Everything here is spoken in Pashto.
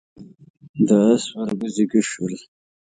د اس ورږ زيږه شول.